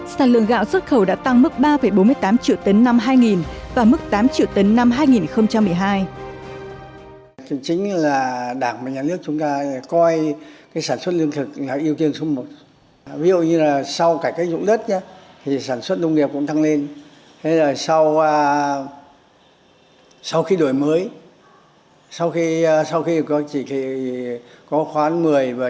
đến gạo xuất khẩu đã tăng mức ba bốn mươi tám triệu tấn năm hai nghìn và mức tám triệu tấn năm hai nghìn một mươi hai